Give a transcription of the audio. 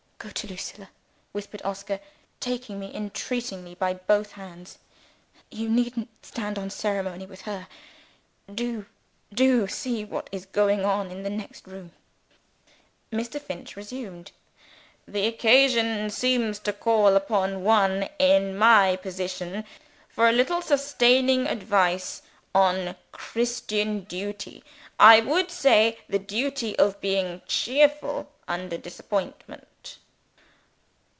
"Go to Lucilla!" whispered Oscar, taking me entreatingly by both hands. "You needn't stand on ceremony with her. Do, do see what is going on in the next room!" Mr. Finch resumed. "The occasion seems to call upon one in my position for a little sustaining advice on Christian duty I would say, the duty of being cheerful under disappointment."